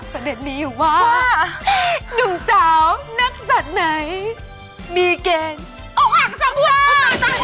ประเด็นมีอยู่ว่านุ่มสาวนักสัตว์ไหนมีเกณฑ์อกหักสำซ้อน